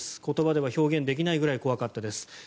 言葉では表現できないくらい怖かったです